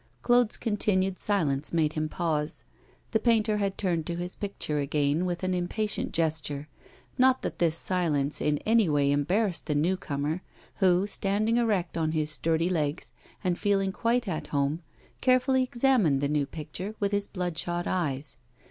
Claude's continued silence made him pause. The painter had turned to his picture again with an impatient gesture. Not that this silence in any way embarrassed the new comer, who, standing erect on his sturdy legs and feeling quite at home, carefully examined the new picture with his bloodshot eyes.